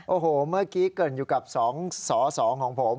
โอ้โหเมื่อกี้เกริ่นอยู่กับ๒สอสองของผม